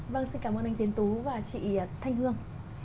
vâng xin cảm ơn anh tiến tú và chị thanh hương